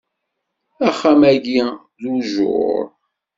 Axxam-agi d ujjuṛ.